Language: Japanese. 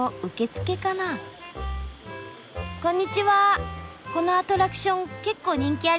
このアトラクション結構人気ありそうですね！